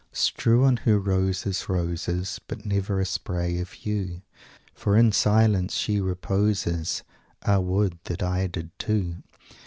"Strew on her, roses, roses, But never a spray of yew; For in silence she reposes Ah! would that I did too!